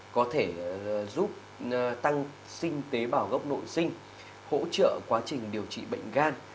có thể giúp tăng sinh tế vào gốc nội sinh hỗ trợ quá trình điều trị bệnh gan